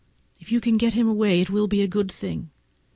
If you can get him away it will be a good thing.